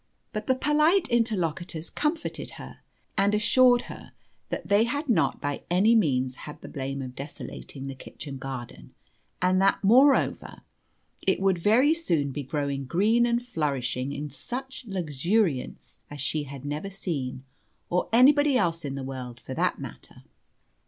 But the polite interlocutors comforted her, and assured her that they had not by any means had the blame of desolating the kitchen garden, and that, moreover, it would very soon be growing green and flourishing in such luxuriance as she had never seen, or anybody else in the world for that matter.